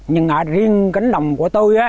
nhưng ở riêng cánh lòng của tôi